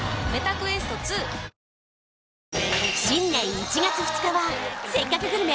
１月２日は「せっかくグルメ！！」